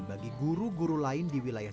bagi guru guru lain di wilayah